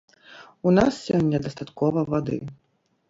У нас сёння дастаткова вады.